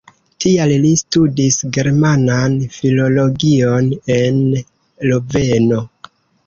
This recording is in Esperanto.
Tial li studis Germanan filologion en Loveno.